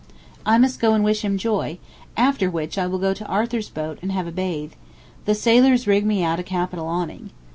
I must go and wish him joy, after which I will go to Arthur's boat and have a bathe; the sailors rig me out a capital awning.